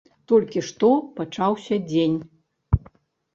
Толькі што пачаўся дзень.